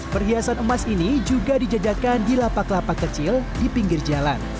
perhiasan emas ini juga dijajakan di lapak lapak kecil di pinggir jalan